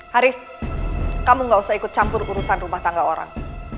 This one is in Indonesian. haris kamu gak usah ikut campur urusan rumah tangga orang